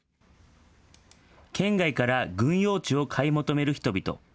県外から軍用地を買い求める人々。